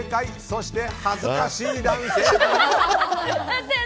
そして、恥ずかしい男性陣！